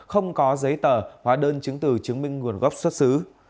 không có giấy tờ hóa đơn chứng từ chứng minh nguồn gốc xuất xứ